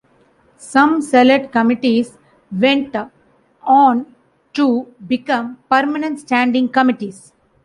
Some select committees went on to become permanent standing committees.